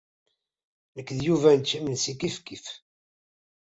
Nekk d Yuba nečča imensi kifkif.